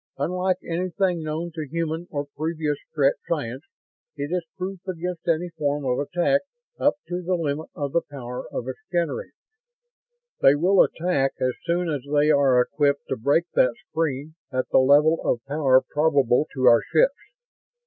Unlike anything known to human or previous Strett science, it is proof against any form of attack up to the limit of the power of its generators. They will attack as soon as they are equipped to break that screen at the level of power probable to our ships.